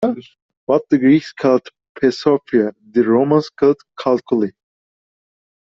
What the Greeks called "psephoi", the Romans called "calculi".